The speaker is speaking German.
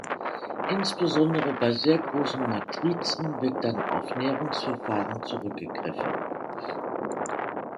Insbesondere bei sehr großen Matrizen wird dann auf Näherungsverfahren zurückgegriffen.